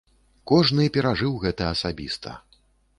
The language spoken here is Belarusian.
Кожны перажыў гэта асабіста.